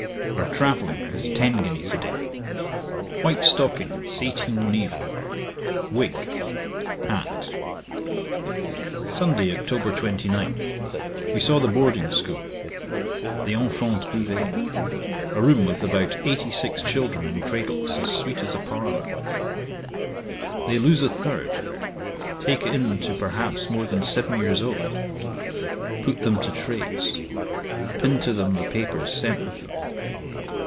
Our travelling is ten guineas a day. 'White stockings, 18 l. Wig. Hat. 'Sunday, Oct. 29. We saw the boarding school. The Enfans trouvés . A room with about eighty six children in cradles, as sweet as a parlour. They lose a third; take in to perhaps more than seven [years old]; put them to trades; pin to them the papers sent with them.